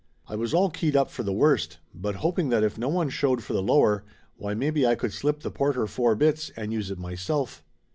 I was all keyed up for the worst, but hoping that if no one showed for the lower, why maybe I could slip the porter four bits and use it myself.